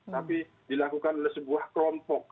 tapi dilakukan oleh sebuah kelompok